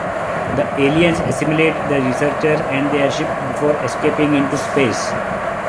The aliens assimilate the researchers and their ship before escaping into space.